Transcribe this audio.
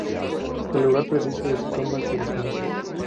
El lugar preciso de su tumba se desconoce.